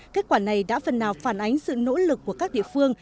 kết quả này đã phần nào phản ánh sự nỗ lực của các địa phương